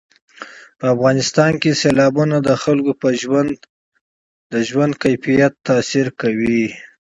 په افغانستان کې سیلابونه د خلکو د ژوند په کیفیت تاثیر کوي.